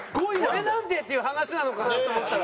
「俺なんて」っていう話なのかなと思ったら。